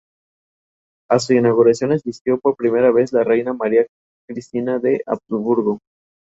La especie tiene hojas estrechas, onduladas y opuestas.